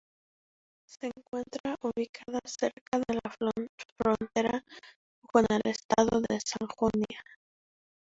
Se encuentra ubicada cerca de la frontera con el estado de Sajonia.